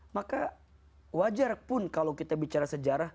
maka wajar pun kalau kita bicara sejarah